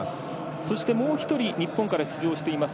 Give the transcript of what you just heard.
そしてもう１人日本から出場しています